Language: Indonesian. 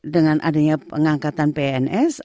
dengan adanya pengangkatan pns